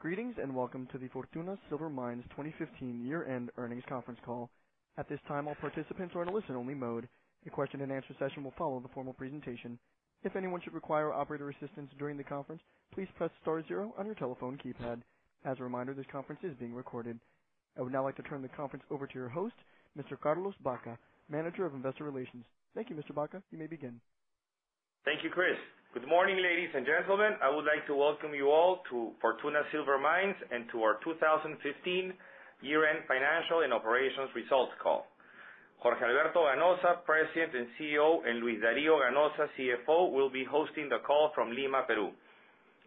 Greetings, and welcome to the Fortuna Silver Mines 2015 year-end earnings conference call. At this time, all participants are in a listen-only mode. A question-and-answer session will follow the formal presentation. If anyone should require operator assistance during the conference, please press star zero on your telephone keypad. As a reminder, this conference is being recorded. I would now like to turn the conference over to your host, Mr. Carlos Baca, Manager of Investor Relations. Thank you, Mr. Baca. You may begin. Thank you, Chris. Good morning, ladies and gentlemen. I would like to welcome you all to Fortuna Silver Mines, and to our 2015 year-end financial and operations results call. Jorge Alberto Ganoza, President and CEO, and Luis Dario Ganoza, CFO, will be hosting the call from Lima, Peru.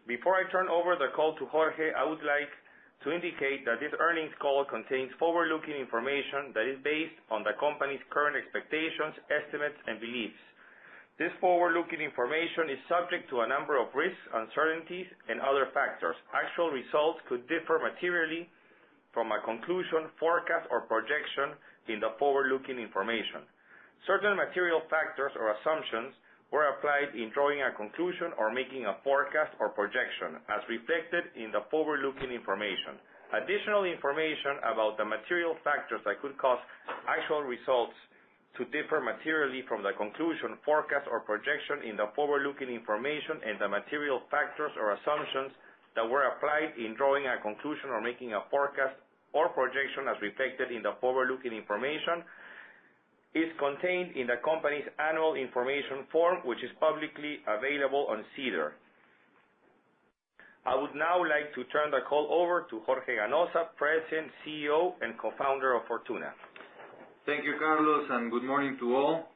Before I turn over the call to Jorge, I would like to indicate that this earnings call contains forward-looking information that is based on the company's current expectations, estimates, and beliefs. This forward-looking information is subject to a number of risks, uncertainties, and other factors. Actual results could differ materially from a conclusion, forecast, or projection in the forward-looking information. Certain material factors or assumptions were applied in drawing a conclusion or making a forecast or projection, as reflected in the forward-looking information. Additional information about the material factors that could cause actual results to differ materially from the conclusion, forecast, or projection in the forward-looking information and the material factors or assumptions that were applied in drawing a conclusion or making a forecast or projection as reflected in the forward-looking information, is contained in the company's annual information form, which is publicly available on SEDAR. I would now like to turn the call over to Jorge Ganoza, President, CEO, and Co-Founder of Fortuna. Thank you, Carlos, and good morning to all.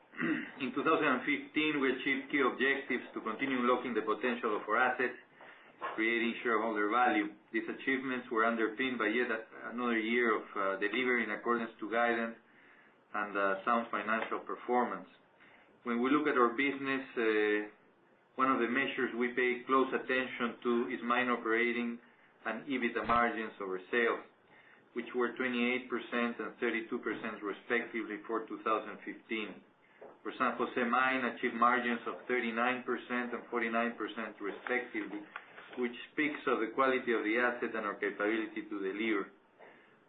In 2015, we achieved key objectives to continue unlocking the potential of our assets, creating shareholder value. These achievements were underpinned by yet another year of delivering according to guidance and sound financial performance. When we look at our business, one of the measures we pay close attention to is mine operating and EBITDA margins over sales, which were 28% and 32% respectively for 2015. For San Jose mine, we achieved margins of 39% and 49% respectively, which speaks of the quality of the asset and our capability to deliver.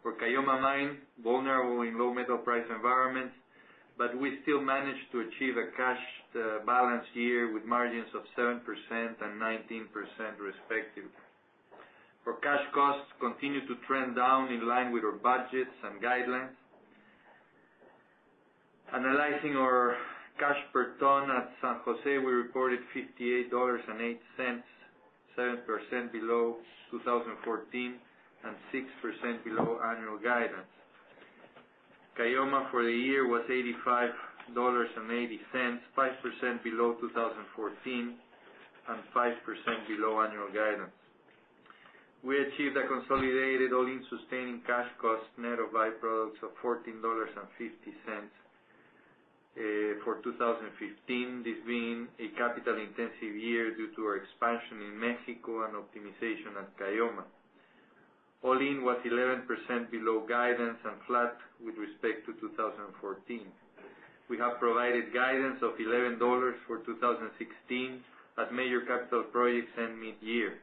For Caylloma mine, it was vulnerable in low metal price environments, but we still managed to achieve a cash balance year with margins of 7% and 19% respectively. Our cash costs continue to trend down in line with our budgets and guidelines. Analyzing our cash per ton at San Jose, we reported $58.08, 7% below 2014, and 6% below annual guidance. Caylloma for the year was $85.80, 5% below 2014, and 5% below annual guidance. We achieved a consolidated all-in sustaining cost net of byproducts of $14.50 for 2015, this being a capital-intensive year due to our expansion in Mexico and optimization at Caylloma. All-in was 11% below guidance and flat with respect to 2014. We have provided guidance of $11 for 2016 as major capital projects end mid-year.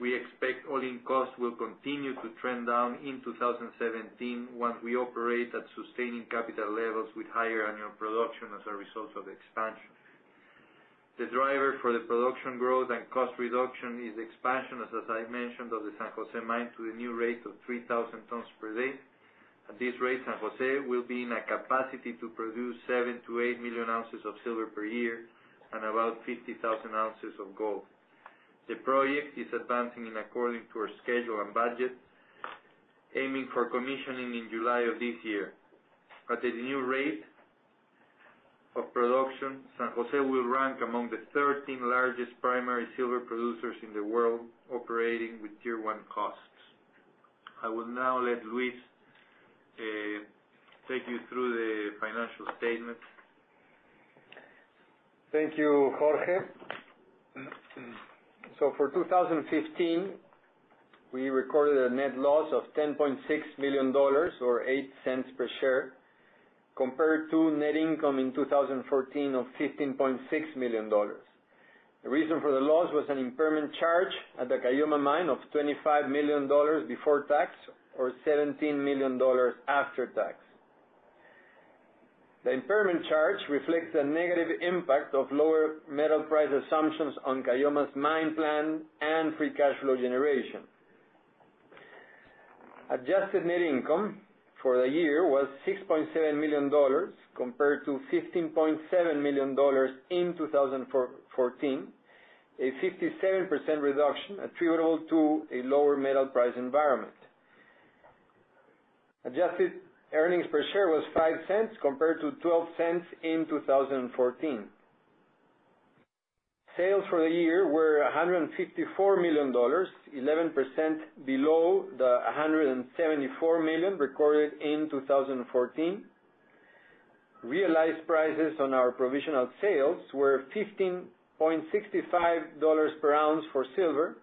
We expect all-in costs will continue to trend down in 2017 once we operate at sustaining capital levels with higher annual production as a result of expansion. The driver for the production growth and cost reduction is expansion, as I mentioned, of the San Jose mine to a new rate of 3,000 tons per day. At this rate, San Jose will be in a capacity to produce 7 million-8 million ounces of silver per year and about 50,000 ounces of gold. The project is advancing according to our schedule and budget, aiming for commissioning in July of this year. At the new rate of production, San Jose will rank among the 13 largest primary silver producers in the world, operating with tier 1 costs. I will now let Luis take you through the financial statements. Thank you, Jorge. For 2015, we recorded a net loss of $10.6 million, or $0.08 per share, compared to net income in 2014 of $15.6 million. The reason for the loss was an impairment charge at the Caylloma mine of $25 million before tax, or $17 million after tax. The impairment charge reflects a negative impact of lower metal price assumptions on Caylloma's mine plan and free cash flow generation. Adjusted net income for the year was $6.7 million, compared to $15.7 million in 2014, a 57% reduction attributable to a lower metal price environment. Adjusted earnings per share was $0.05 compared to $0.12 in 2014. Sales for the year were $154 million, 11% below the $174 million recorded in 2014. Realized prices on our provisional sales were $15.65 per ounce for silver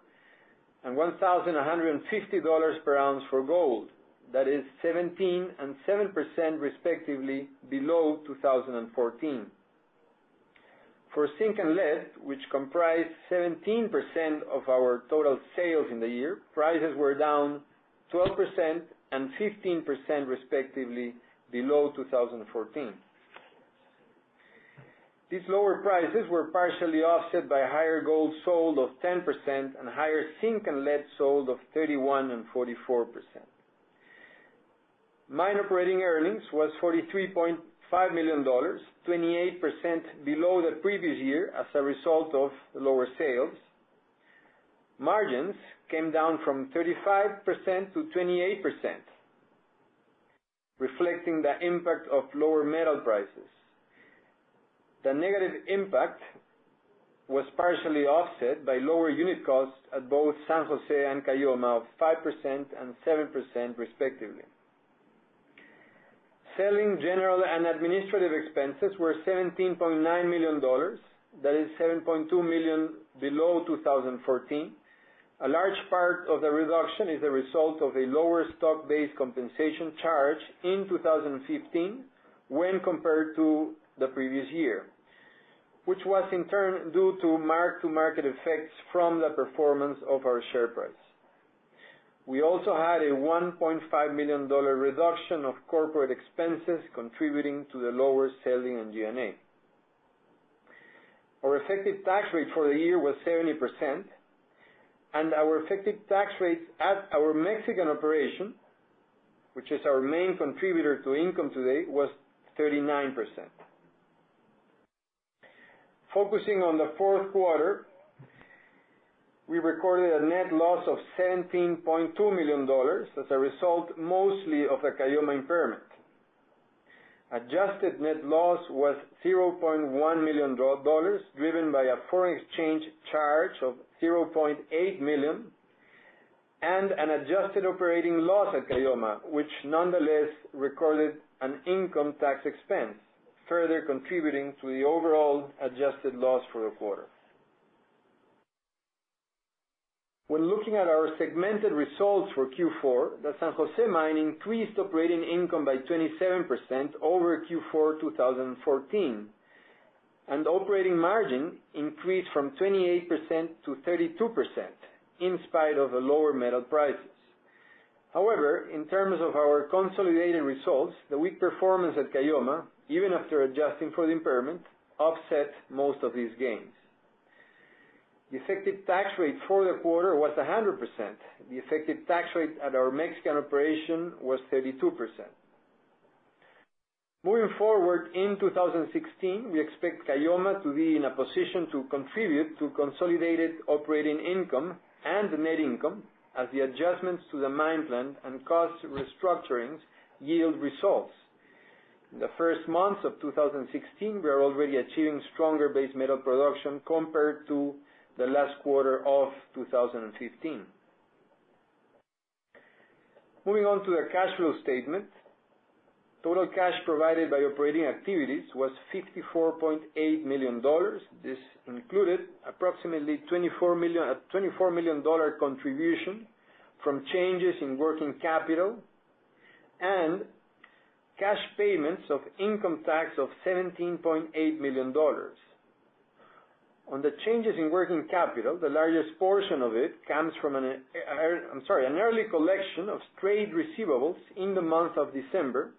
and $1,150 per ounce for gold. That is 17% and 7% respectively below 2014. For zinc and lead, which comprise 17% of our total sales in the year, prices were down 12% and 15% respectively below 2014. These lower prices were partially offset by higher gold sold of 10% and higher zinc and lead sold of 31% and 44%. Mine operating earnings was $43.5 million, 28% below the previous year as a result of lower sales. Margins came down from 35% to 28%, reflecting the impact of lower metal prices. The negative impact was partially offset by lower unit costs at both San Jose and Caylloma of 5% and 7% respectively. Selling, general, and administrative expenses were $17.9 million. That is $7.2 million below 2014. A large part of the reduction is a result of a lower stock-based compensation charge in 2015 when compared to the previous year, which was in turn due to mark-to-market effects from the performance of our share price. We also had a $1.5 million reduction of corporate expenses contributing to the lower selling and G&A. Our effective tax rate for the year was 70%, and our effective tax rate at our Mexican operation, which is our main contributor to income today, was 39%. Focusing on the fourth quarter, we recorded a net loss of $17.2 million as a result, mostly of the Caylloma impairment. Adjusted net loss was $0.1 million, driven by a foreign exchange charge of $0.8 million and an adjusted operating loss at Caylloma, which nonetheless recorded an income tax expense, further contributing to the overall adjusted loss for the quarter. When looking at our segmented results for Q4, the San Jose mine increased operating income by 27% over Q4 2014, and operating margin increased from 28% to 32%, in spite of the lower metal prices. However, in terms of our consolidated results, the weak performance at Caylloma, even after adjusting for the impairment, offset most of these gains. The effective tax rate for the quarter was 100%. The effective tax rate at our Mexican operation was 32%. Moving forward, in 2016, we expect Caylloma to be in a position to contribute to consolidated operating income and net income as the adjustments to the mine plan and cost restructurings yield results. In the first months of 2016, we are already achieving stronger base metal production compared to the last quarter of 2015. Moving on to the cash flow statement. Total cash provided by operating activities was $54.8 million. This included approximately $24 million contribution from changes in working capital and cash payments of income tax of $17.8 million. On the changes in working capital, the largest portion of it comes from an early collection of trade receivables in the month of December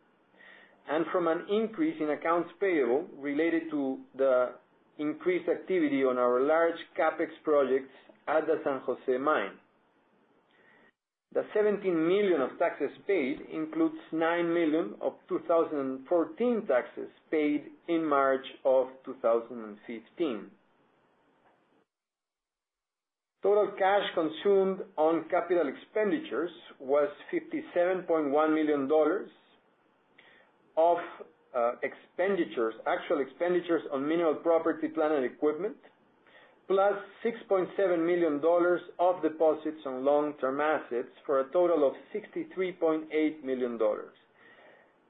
and from an increase in accounts payable related to the increased activity on our large CapEx projects at the San Jose mine. The $17 million of taxes paid includes $9 million of 2014 taxes paid in March of 2015. Total cash consumed on capital expenditures was $57.1 million of actual expenditures on mineral property, plant, and equipment, +$6.7 million of deposits on long-term assets, for a total of $63.8 million.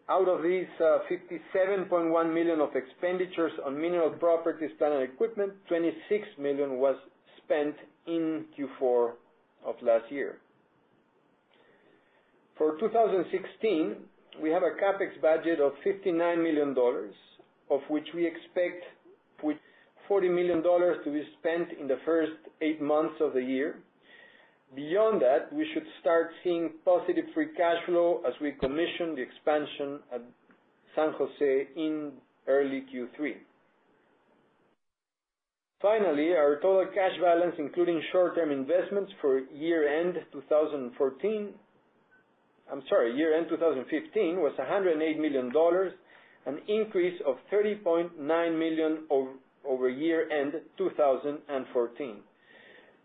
Out of this $57.1 million of expenditures on mineral properties, plant, and equipment, $26 million was spent in Q4 of last year. For 2016, we have a CapEx budget of $59 million, of which we expect $40 million to be spent in the first eight months of the year. Beyond that, we should start seeing positive free cash flow as we commission the expansion at San Jose in early Q3. Finally, our total cash balance, including short-term investments for year-end 2015, was $108 million, an increase of $30.9 million over year-end 2014,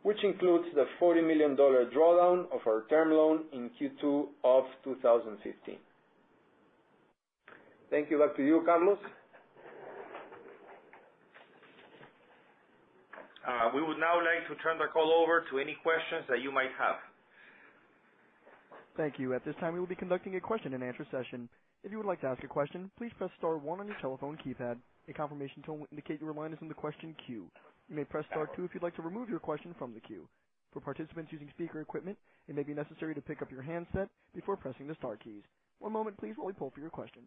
which includes the $40 million drawdown of our term loan in Q2 of 2015. Thank you. Back to you, Carlos. We would now like to turn the call over to any questions that you might have. Thank you. At this time, we will be conducting a question-and-answer session. If you would like to ask a question please press star one on your telephone keypad. A confirmation tone will indicate your line is in the question queue. You may press star two if you would like to remove a question from the queue. For participants using speaker equipment it maybe necessary to pick up your handset before pressing the star keys. One moment please lets poll for your questions.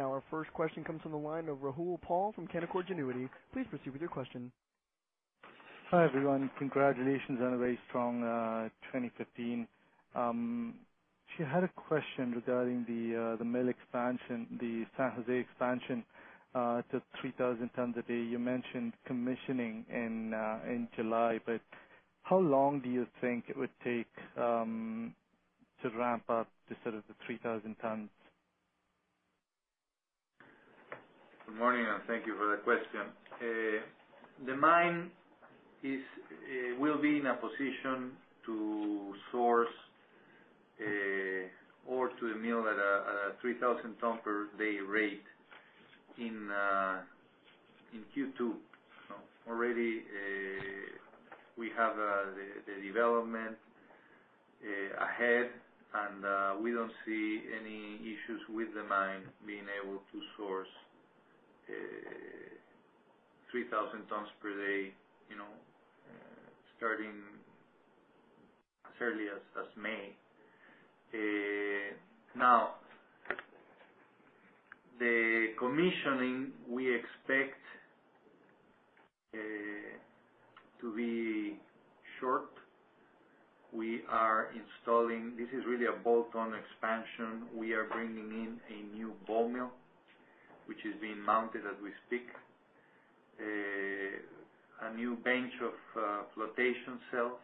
Our first question comes from the line of Rahul Paul from Canaccord Genuity. Please proceed with your question. Hi, everyone. Congratulations on a very strong 2015. I had a question regarding the mill expansion, the San Jose expansion to 3,000 tons a day. You mentioned commissioning in July, but how long do you think it would take to ramp up to the 3,000 tons? Good morning, and thank you for that question. The mine will be in a position to source ore to the mill at a 3,000 ton per day rate in Q2. Already, we have the development ahead, and we don't see any issues with the mine being able to source 3,000 tons per day starting as early as this May. Now, the commissioning we expect to be short. We are installing this is really a bolt-on expansion. We are bringing in a new ball mill, which is being mounted as we speak, a new bench of flotation cells,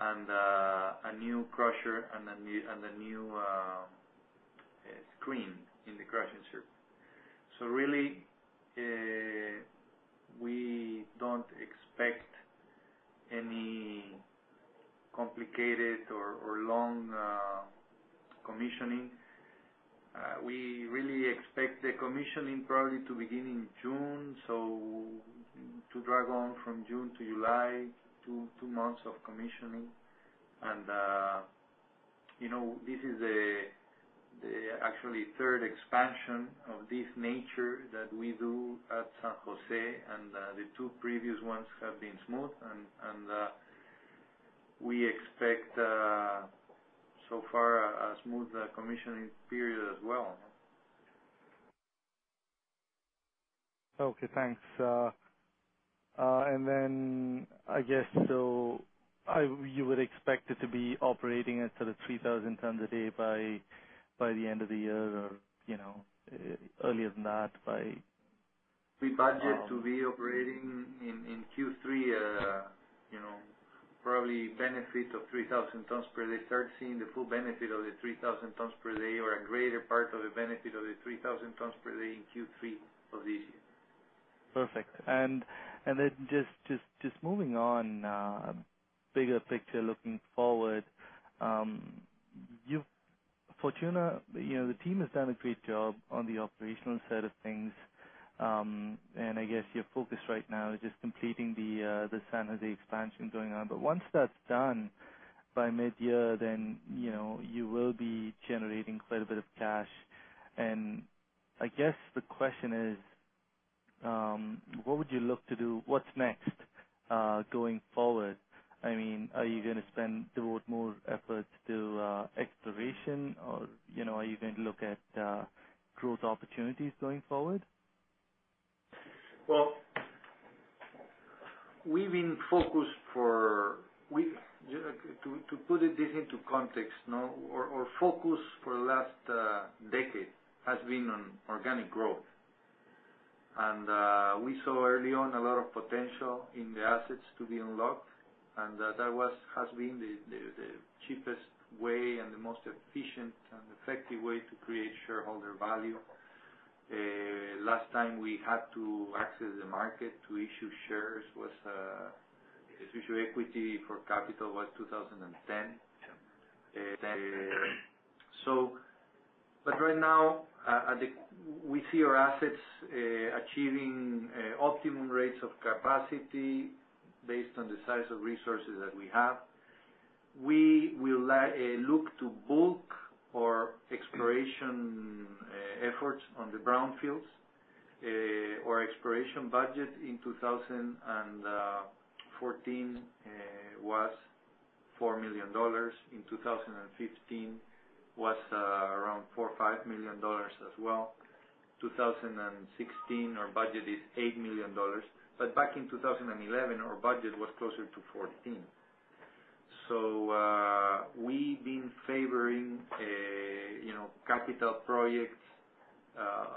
and a new crusher, and a new screen in the crushing group. Really, we don't expect any complicated or long commissioning. We really expect the commissioning probably to begin in June. To drag on from June to July, two months of commissioning. This is the actually third expansion of this nature that we do at San Jose, and the two previous ones have been smooth. We expect so far a smooth commissioning period as well. Okay, thanks. I guess so you would expect it to be operating at 3,000 tons a day by the end of the year or earlier than that by- We budget to be operating in Q3, probably benefit of 3,000 tons per day, start seeing the full benefit of the 3,000 tons per day or a greater part of the benefit of the 3,000 tons per day in Q3 of this year. Perfect. Just moving on, bigger picture looking forward. Fortuna, the team has done a great job on the operational side of things. I guess your focus right now is just completing the San Jose expansion going on. Once that's done by mid-year, then you will be generating quite a bit of cash. I guess the question is, what would you look to do? What's next, going forward? Are you going to spend, devote more efforts to exploration or are you going to look at growth opportunities going forward? Well, to put this into context. Our focus for the last decade has been on organic growth. We saw early on a lot of potential in the assets to be unlocked, and that has been the cheapest way and the most efficient and effective way to create shareholder value. Last time we had to access the market to issue equity for capital was 2010. Right now, we see our assets achieving optimum rates of capacity based on the size of resources that we have. We will look to bulk our exploration efforts on the brownfields. Our exploration budget in 2014 was $4 million. In 2015, was around $4 million-$5 million as well. 2016, our budget is $8 million. Back in 2011, our budget was closer to $14 million. We've been favoring capital projects,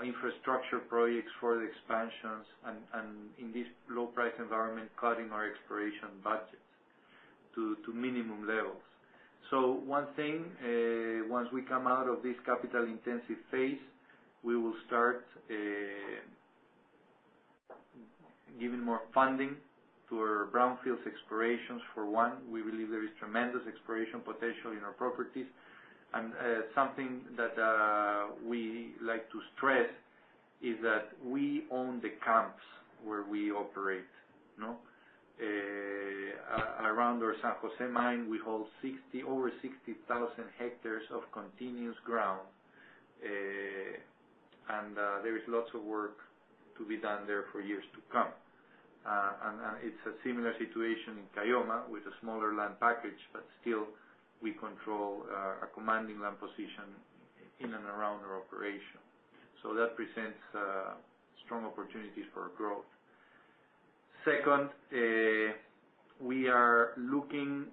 infrastructure projects for the expansions, and in this low price environment, cutting our exploration budgets to minimum levels. One thing, once we come out of this capital-intensive phase, we will start giving more funding to our brownfields explorations. For one, we believe there is tremendous exploration potential in our properties. Something that we like to stress is that we own the camps where we operate. Around our San Jose mine, we hold over 60,000 hectares of continuous ground, and there is lots of work to be done there for years to come. It's a similar situation in Caylloma with a smaller land package, but still, we control a commanding land position in and around our operation. That presents strong opportunities for growth. Second, we are looking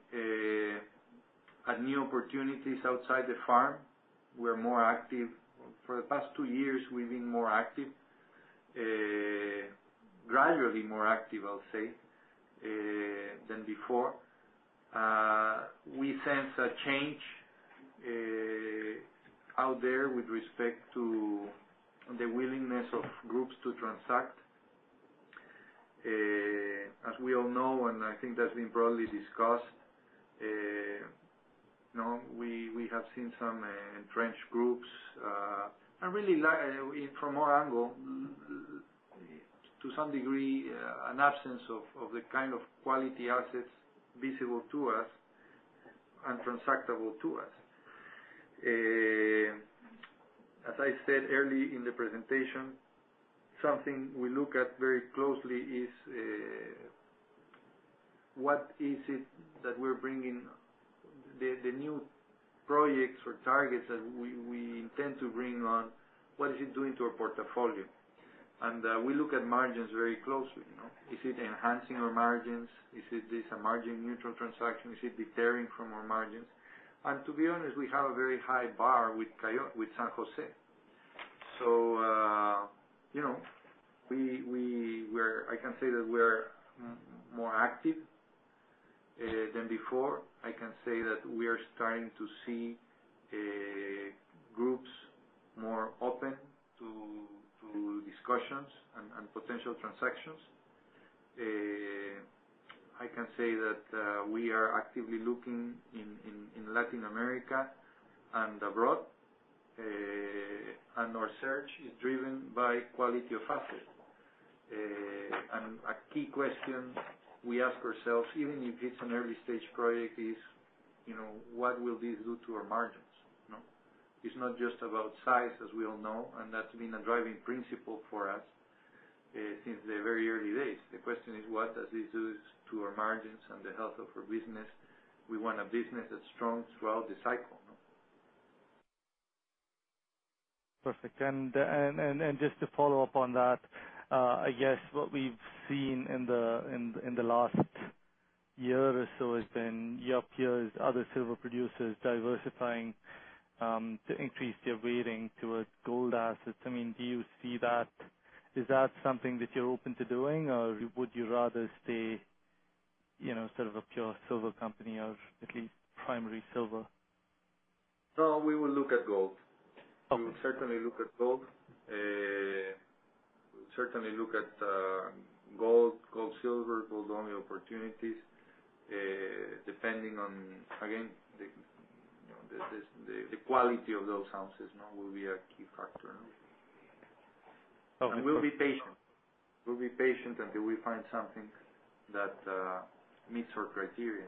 at new opportunities outside the firm. For the past two years, we've been more active. Gradually more active, I'll say, than before. We sense a change out there with respect to the willingness of groups to transact. As we all know, and I think that's been broadly discussed, we have seen some entrenched groups, from our angle, to some degree, an absence of the kind of quality assets visible to us and transactable to us. As I said early in the presentation, something we look at very closely is, what is it that we're bringing, the new projects or targets that we intend to bring on, what is it doing to our portfolio? We look at margins very closely. Is it enhancing our margins? Is this a margin-neutral transaction? Is it deterring from our margins? To be honest, we have a very high bar with San Jose. I can say that we're more active than before. I can say that we are starting to see groups more open to discussions and potential transactions. I can say that we are actively looking in Latin America and abroad, and our search is driven by quality of assets. A key question we ask ourselves, even if it's an early-stage project, is what will this do to our margins? It's not just about size, as we all know, and that's been a driving principle for us since the very early days. The question is, what does this do to our margins and the health of our business? We want a business that's strong throughout the cycle. Perfect. Just to follow up on that, I guess what we've seen in the last year or so has been your peers, other silver producers, diversifying to increase their weighting towards gold assets. Is that something that you're open to doing, or would you rather stay sort of a pure silver company, or at least primary silver? No, we will look at gold. Okay. We will certainly look at gold. We'll certainly look at gold-silver, gold only opportunities. Depending on, again, the quality of those assets, will be a key factor. Okay. We'll be patient until we find something that meets our criteria.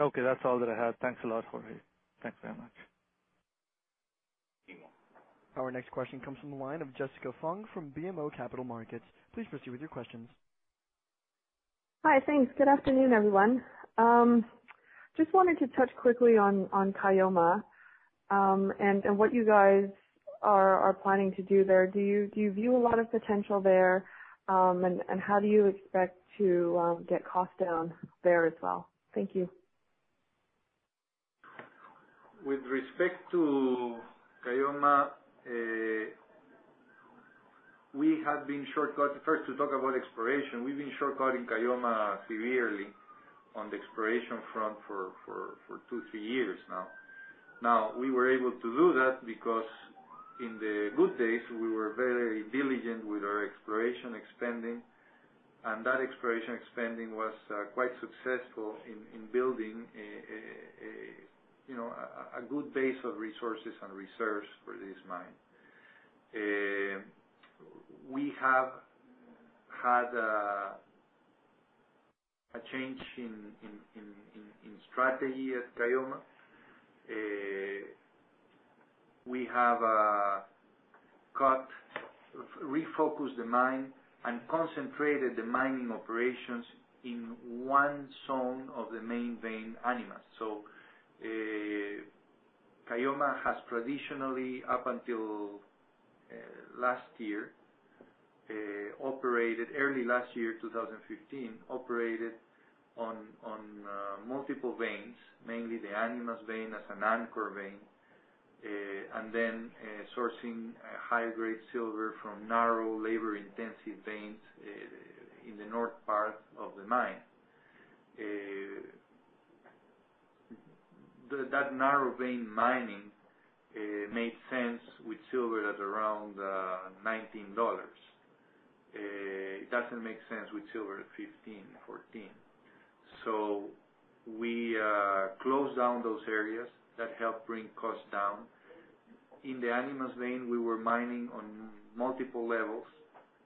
Okay, that's all that I have. Thanks a lot, Jorge. Thanks very much. Sure. Our next question comes from the line of Jessica Fung from BMO Capital Markets. Please proceed with your questions. Hi, thanks. Good afternoon, everyone. Just wanted to touch quickly on Caylloma, and what you guys are planning to do there. Do you view a lot of potential there? How do you expect to get costs down there as well? Thank you. With respect to Caylloma, first to talk about exploration. We've been short-cutting Caylloma severely on the exploration front for two, three years now. Now, we were able to do that because in the good days, we were very diligent with our exploration spending. That exploration spending was quite successful in building a good base of resources and reserves for this mine. We have had a change in strategy at Caylloma. We have refocused the mine and concentrated the mining operations in one zone of the main vein, Animas. Caylloma has traditionally, up until early last year, 2015, operated on multiple veins, mainly the Animas vein as an anchor vein, and then sourcing high-grade silver from narrow labor-intensive veins in the north part of the mine. That narrow vein mining made sense with silver at around $19. It doesn't make sense with silver at $15, $14. We closed down those areas. That helped bring costs down. In the Animas vein, we were mining on multiple levels.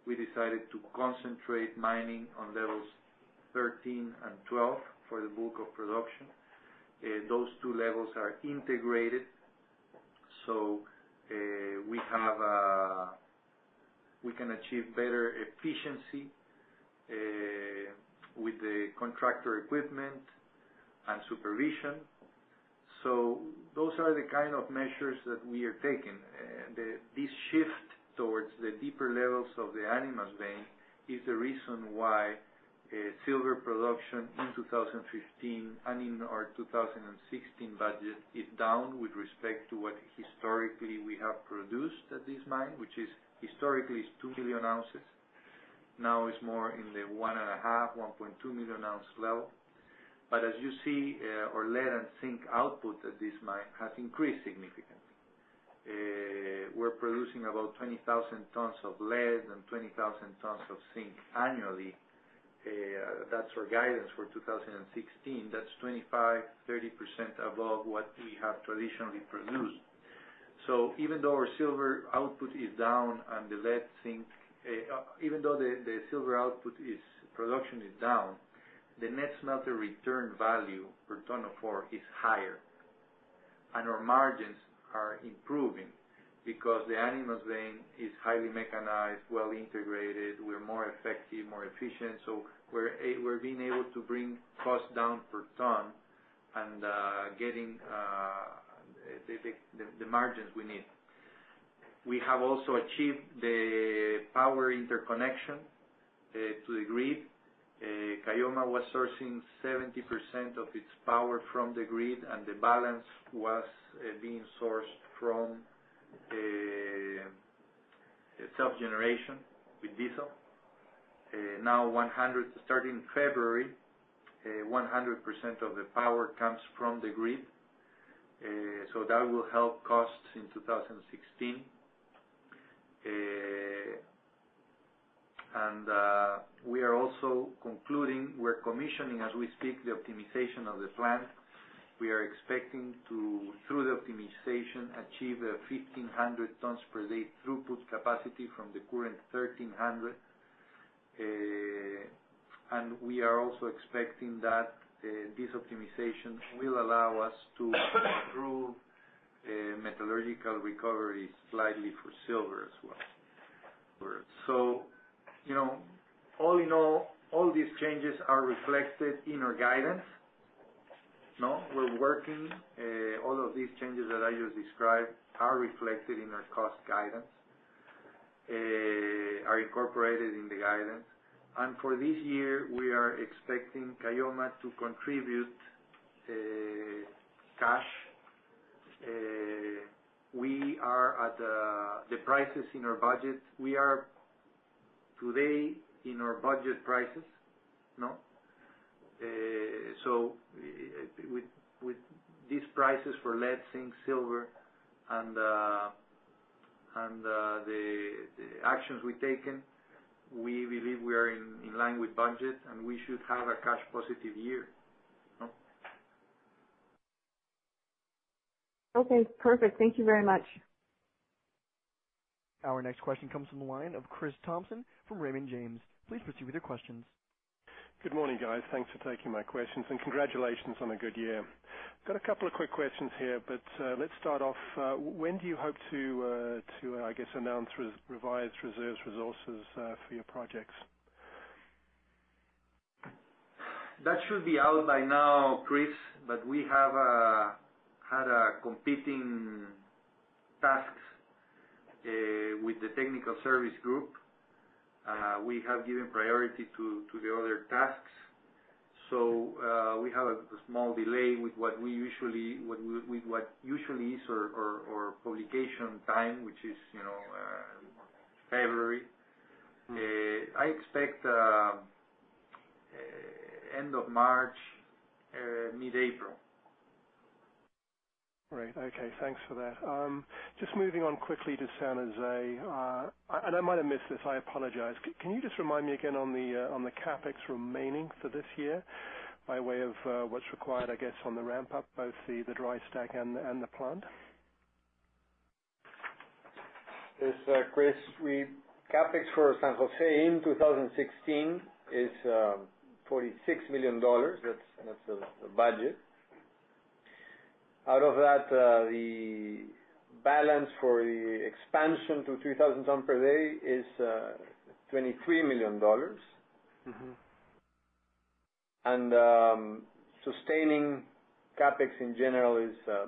We decided to concentrate mining on levels 13 and 12 for the bulk of production. Those two levels are integrated. We can achieve better efficiency with the contractor equipment and supervision. Those are the kind of measures that we are taking. This shift towards the deeper levels of the Animas vein is the reason why silver production in 2015 and in our 2016 budget is down with respect to what historically we have produced at this mine, which historically is 2 million ounces. Now it's more in the 1.5 million, 1.2 million ounce level. As you see, our lead and zinc output at this mine has increased significantly. We're producing about 20,000 tons of lead and 20,000 tons of zinc annually. That's our guidance for 2016. That's 25%-30% above what we have traditionally produced. Even though the silver output production is down, the net smelter return value, return of ore, is higher. Our margins are improving because the Animas vein is highly mechanized, well integrated, we're more effective, more efficient. We're being able to bring costs down per ton and getting the margins we need. We have also achieved the power interconnection to the grid. Caylloma was sourcing 70% of its power from the grid, and the balance was being sourced from self-generation with diesel. Now 100%, starting February, 100% of the power comes from the grid. That will help costs in 2016. We are also commissioning, as we speak, the optimization of the plant. We are expecting to, through the optimization, achieve 1,500 tons per day throughput capacity from the current 1,300. We are also expecting that this optimization will allow us to improve metallurgical recovery slightly for silver as well. All in all these changes are reflected in our guidance. All of these changes that I just described are reflected in our cost guidance, are incorporated in the guidance. For this year, we are expecting Caylloma to contribute cash. We are at the prices in our budget. We are today at our budget prices. With these prices for lead, zinc, silver, and the actions we've taken, we believe we are in line with budget, and we should have a cash positive year. Okay, perfect. Thank you very much. Our next question comes from the line of Chris Thompson from Raymond James. Please proceed with your questions. Good morning, guys. Thanks for taking my questions, and congratulations on a good year. Got a couple of quick questions here, but let's start off, when do you hope to announce revised reserves resources for your projects? That should be out by now, Chris, but we have had competing tasks with the technical service group. We have given priority to the other tasks. We have a small delay with what usually is our publication time, which is February. I expect end of March, mid-April. Great. Okay. Thanks for that. Just moving on quickly to San Jose. I might have missed this, I apologize. Can you just remind me again on the CapEx remaining for this year, by way of what's required, I guess, on the ramp-up, both the dry stack and the plant? Yes, Chris. CapEx for San Jose in 2016 is $46 million. That's the budget. Out of that, the balance for the expansion to 3,000 ton per day is $23 million. Mm-hmm. Sustaining CapEx, in general, is a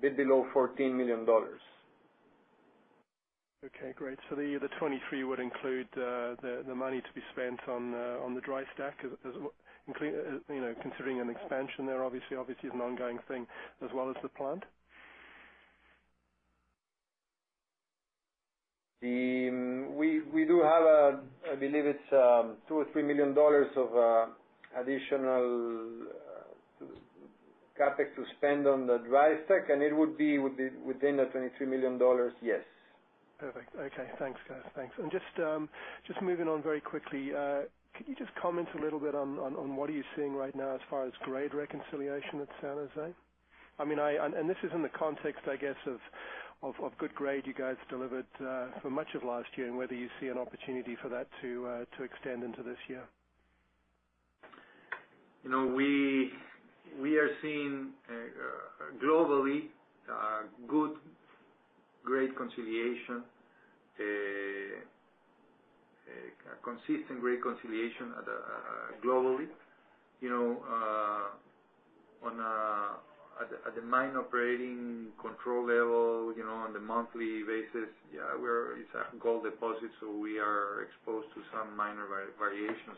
bit below $14 million. Okay, great. The $23 million would include the money to be spent on the dry stack, considering an expansion there, obviously, is an ongoing thing as well as the plant? We do have, I believe it's $2 million or $3 million of additional CapEx to spend on the dry stack, and it would be within the $23 million, yes. Perfect. Okay. Thanks, guys. Thanks. Just moving on very quickly. Could you just comment a little bit on what are you seeing right now as far as grade reconciliation at San Jose? This is in the context, I guess, of good grade you guys delivered for much of last year and whether you see an opportunity for that to extend into this year. We are seeing globally a good, great reconciliation. A consistent great reconciliation globally. At the mine operating control level, on the monthly basis, it's a gold deposit, so we are exposed to some minor variations.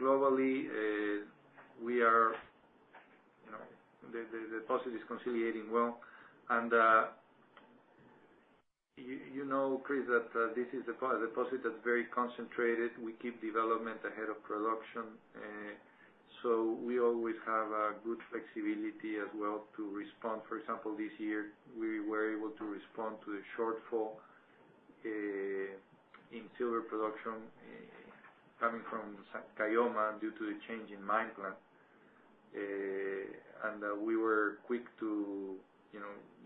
Globally, the deposit is reconciling well. You know, Chris, that this is a deposit that's very concentrated. We keep development ahead of production. We always have good flexibility as well to respond. For example, this year, we were able to respond to the shortfall in silver production coming from Caylloma due to the change in mine plan. We were quick to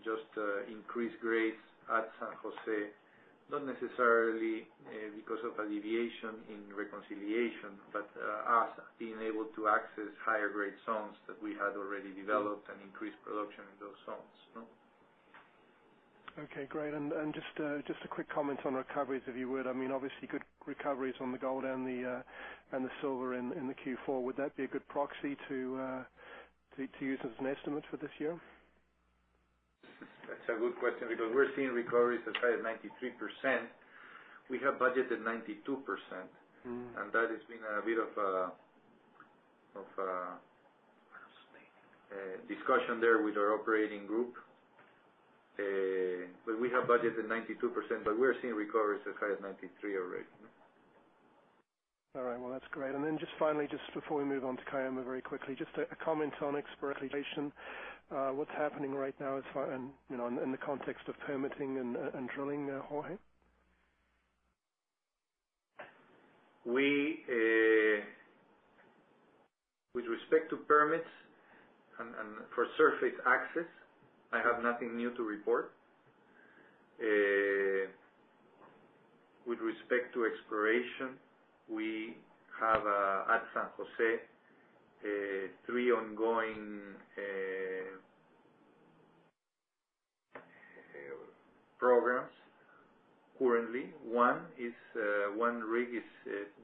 just increase grades at San Jose, not necessarily because of a deviation in reconciliation, but us being able to access higher grade zones that we had already developed and increase production in those zones. Okay, great. Just a quick comment on recoveries, if you would. Obviously, good recoveries on the gold and the silver in the Q4. Would that be a good proxy to use as an estimate for this year? That's a good question because we're seeing recoveries as high as 93%. We have budgeted 92%. Mm-hmm That has been a bit of a discussion there with our operating group. We have budgeted 92%, but we are seeing recoveries as high as 93% already. All right. Well, that's great. Just finally, just before we move on to Caylloma very quickly, just a comment on exploration. What's happening right now in the context of permitting and drilling, Jorge? With respect to permits and for surface access, I have nothing new to report. With respect to exploration, we have at San Jose three ongoing programs currently. One rig is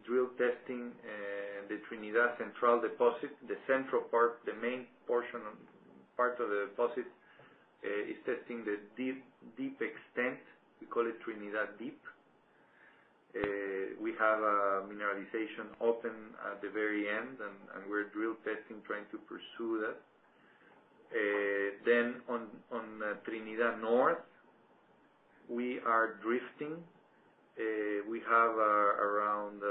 drill testing the Trinidad central deposit. The central part, the main portion of part of the deposit, is testing the deep extent. We call it Trinidad Deep. We have a mineralization open at the very end, and we're drill testing, trying to pursue that. On Trinidad North, we are drifting. We have around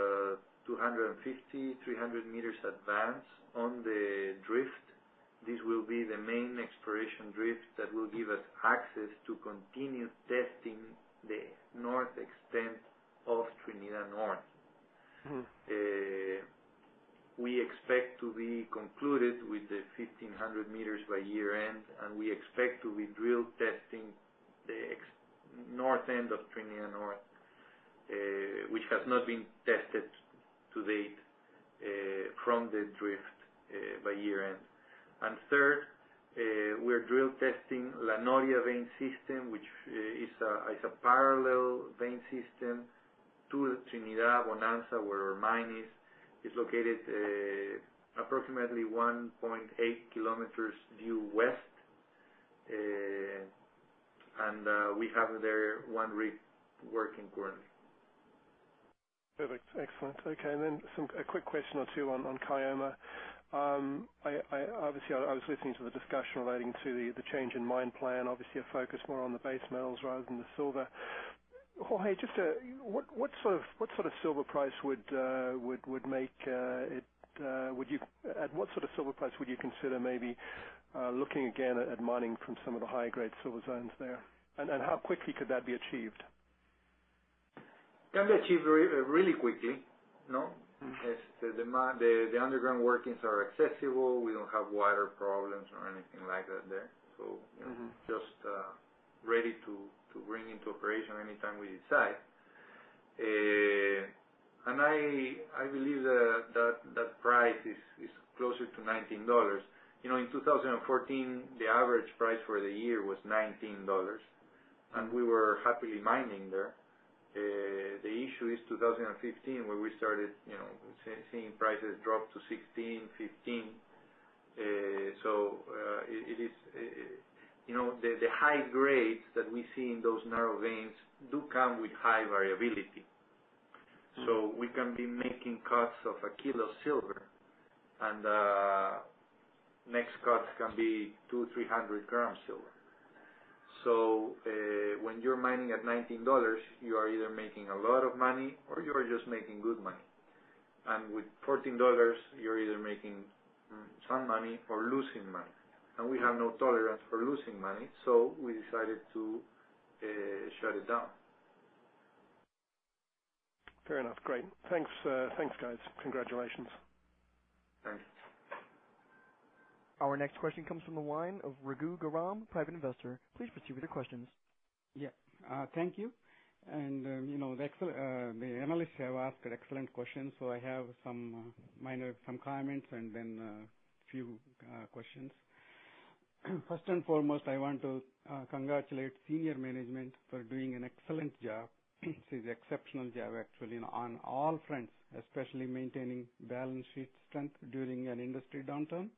250 meters-300 meters advance on the drift. This will be the main exploration drift that will give us access to continue testing the north extent of Trinidad North. Mm-hmm We expect to be concluded with the 1,500 metres by year-end, and we expect to be drill testing the north end of Trinidad North, which has not been tested to date from the drift by year-end. Third, we're drill testing La Noria vein system, which is a parallel vein system to the Trinidad Bonanza, where our mine is located approximately 1.8 kilometer due west, and we have there one rig working currently. Perfect. Excellent. Okay. A quick question or two on Caylloma. Obviously, I was listening to the discussion relating to the change in mine plan, obviously a focus more on the base metals rather than the silver. Jorge, at what sort of silver price would you consider maybe looking again at mining from some of the high-grade silver zones there? And how quickly could that be achieved? Can be achieved really quickly. No? Mm-hmm. The underground workings are accessible. We don't have water problems or anything like that there. Mm-hmm Just ready to bring into operation anytime we decide. I believe that price is closer to $19. In 2014, the average price for the year was $19, and we were happily mining there. The issue is 2015, where we started seeing prices drop to $16, $15. The high grades that we see in those narrow veins do come with high variability. We can be making cuts of a kilo of silver, and the next cut can be 200 grams-300 grams silver. When you're mining at $19, you are either making a lot of money or you are just making good money. With $14, you're either making some money or losing money. We have no tolerance for losing money, so we decided to shut it down. Fair enough. Great. Thanks, guys. Congratulations. Thanks. Our next question comes from the line of Ragu Garam, Private Investor. Please proceed with your questions. Yeah. Thank you. The analysts have asked excellent questions, so I have some comments and then a few questions. First and foremost, I want to congratulate senior management for doing an excellent job, actually exceptional job actually on all fronts, especially maintaining balance sheet strength during an industry downturn,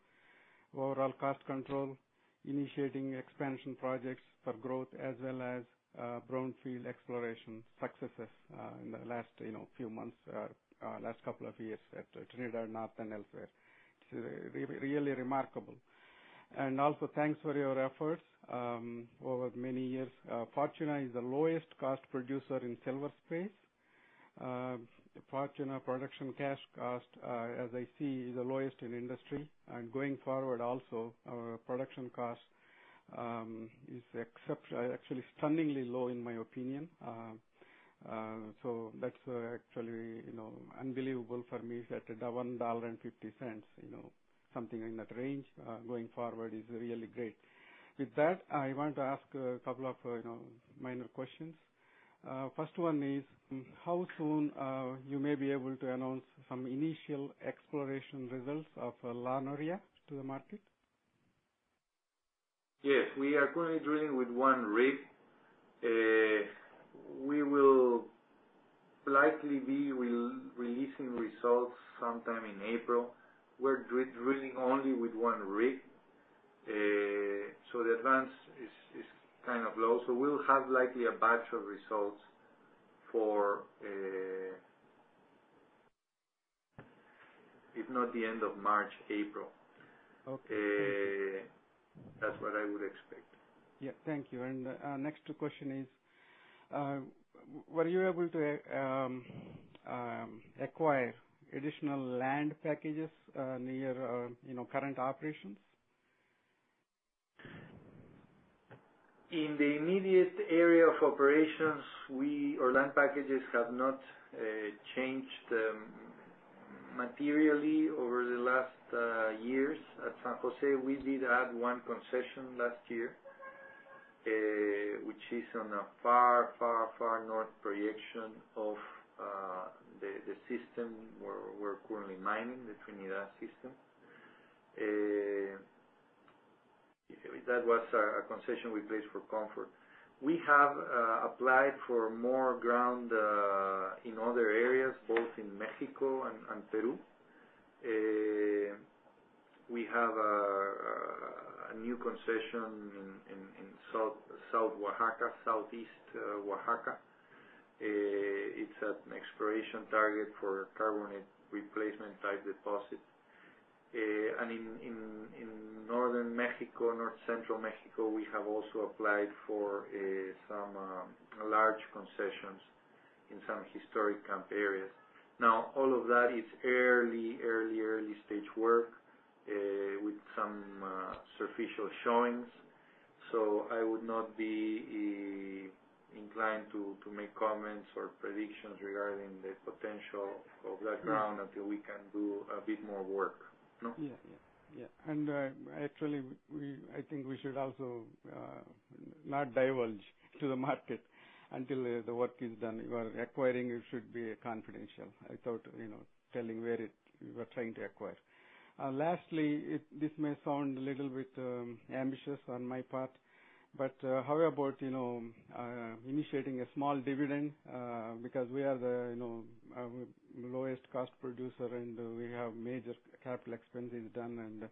overall cost control, initiating expansion projects for growth, as well as brownfield exploration successes in the last few months, last couple of years at Trinidad North and elsewhere. It's really remarkable. Also, thanks for your efforts over many years. Fortuna is the lowest cost producer in silver space. Fortuna production cash cost, as I see, is the lowest in industry. Going forward also, our production cost is actually stunningly low in my opinion. That's actually unbelievable for me, is that at $1.50, something in that range going forward is really great. With that, I want to ask a couple of minor questions. First one is, how soon you may be able to announce some initial exploration results of La Noria to the market? Yes, we are currently drilling with one rig. We will likely be releasing results sometime in April. We're drilling only with one rig, so the advance is low. We'll have likely a batch of results for, if not the end of March, April. Okay. That's what I would expect. Yeah. Thank you. Next question is, were you able to acquire additional land packages near current operations? In the immediate area of operations, our land packages have not changed materially over the last years. At San Jose, we did add one concession last year, which is on a far north projection of the system where we're currently mining, the Trinidad system. That was a concession we placed for comfort. We have applied for more ground in other areas, both in Mexico and Peru. We have a new concession in South Oaxaca, Southeast Oaxaca. It's an exploration target for carbonate replacement deposit. In northern Mexico, north central Mexico, we have also applied for some large concessions in some historic camp areas. Now, all of that is early stage work with some surficial showings, so I would not be inclined to make comments or predictions regarding the potential of that ground until we can do a bit more work. Yeah. Actually, I think we should also not divulge to the market until the work is done. Acquiring it should be confidential without telling where we're trying to acquire. Lastly, this may sound a little bit ambitious on my part, but how about initiating a small dividend, because we are the lowest cost producer, and we have major capital expenses done.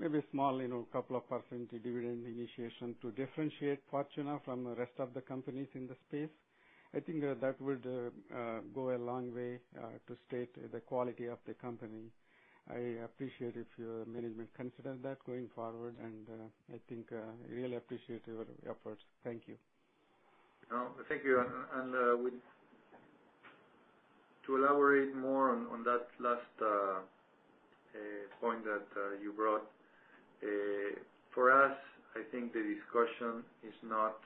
Maybe a small, couple of percentage dividend initiation to differentiate Fortuna from the rest of the companies in the space. I think that would go a long way to state the quality of the company. I appreciate if your management consider that going forward, and I really appreciate your efforts. Thank you. No, thank you. To elaborate more on that last point that you brought. For us, I think the discussion is not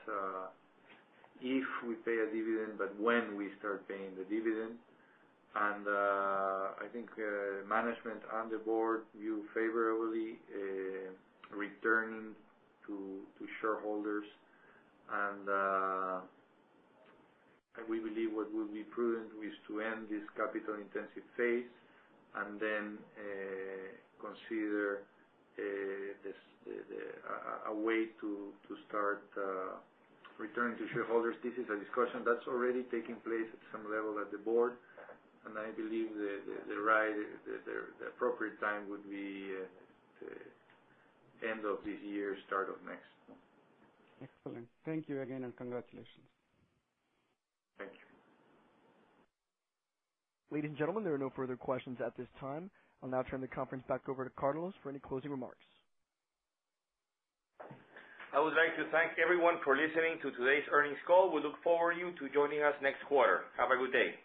if we pay a dividend, but when we start paying the dividend. I think management and the board view favorably returning to shareholders. We believe what would be prudent is to end this capital-intensive phase and then consider a way to start returning to shareholders. This is a discussion that's already taking place at some level at the board, and I believe the appropriate time would be the end of this year, start of next. Excellent. Thank you again, and congratulations. Thank you. Ladies and gentlemen, there are no further questions at this time. I'll now turn the conference back over to Carlos for any closing remarks. I would like to thank everyone for listening to today's earnings call. We look forward to you joining us next quarter. Have a good day.